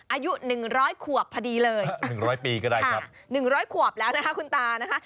อายุหนึ่งร้อยขวบพอดีเลยหนึ่งร้อยปีก็ได้ครับหนึ่งร้อยขวบแล้วนะคะคุณตานะคะ